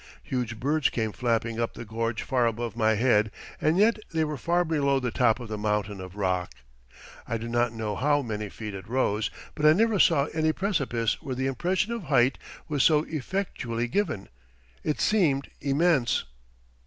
Huge birds came flapping up the gorge far above my head; and yet they were far below the top of the mountain of rock. I do not know how many feet it rose, but I never saw any precipice where the impression of height was so effectually given it seemed immense.